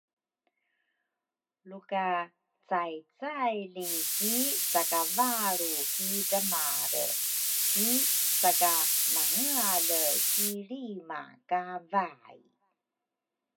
Luka caicaili ki sakavalru ki dramare ki sakamangeale si lrima ka vai